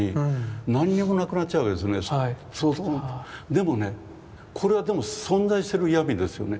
でもねこれはでも存在する闇ですよね。